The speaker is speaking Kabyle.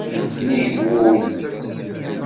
Nnig wul.